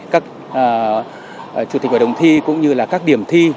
các chủ tịch hội đồng thi cũng như là các điểm thi